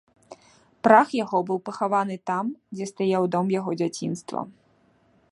Прах яго быў пахаваны там, дзе стаяў дом яго дзяцінства.